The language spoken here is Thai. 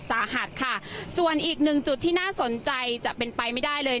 สาหัสค่ะส่วนอีกหนึ่งจุดที่น่าสนใจจะเป็นไปไม่ได้เลย